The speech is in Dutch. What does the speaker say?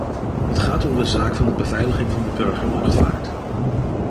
Het gaat om de zaak van de beveiliging van de burgerluchtvaart.